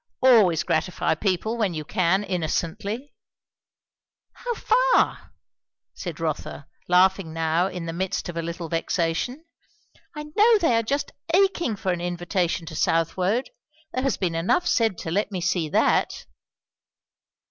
"Always gratify people when you can innocently." "How far?" said Rotha, laughing now in the midst of a little vexation. "I know they are just aching for an invitation to Southwode. There has been enough said to let me see that."